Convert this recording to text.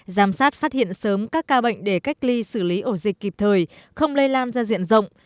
giám sát phát hiện sớm các ca bệnh để cách ly xử lý ổ dịch kịp thời không lây lan ra diện rộng